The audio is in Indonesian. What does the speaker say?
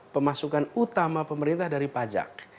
pemasukan utama pemerintah dari pajak